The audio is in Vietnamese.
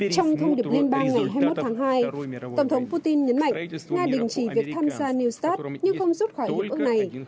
trong thông điệp liên bang ngày hai mươi một tháng hai tổng thống putin nhấn mạnh nga đình chỉ việc tham gia new start nhưng không rút khỏi hiệp ước này